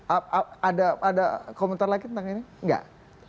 ada komentar lagi tentang ini enggak